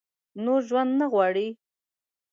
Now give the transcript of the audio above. نور ژوند نه غواړي ؟